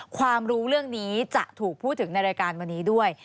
ความรู้เรื่องนี้จะถูกพูดถึงในรายการวันนี้ด้วย